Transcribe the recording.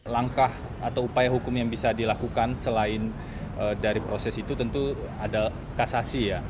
langkah atau upaya hukum yang bisa dilakukan selain dari proses itu tentu ada kasasi ya